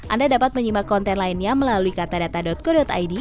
anda dapat menyimak konten lainnya melalui katadata co id